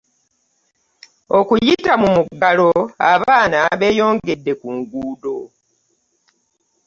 okuyita mu mu galo abaana bbeyongedde ku nguddo